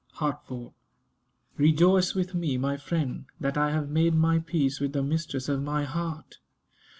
HARTFORD. Rejoice with me, my friend, that I have made my peace with the mistress of my heart.